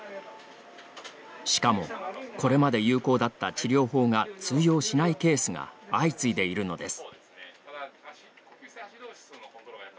しかも、これまで有効だった治療法が通用しないケースが相次いでいるのです。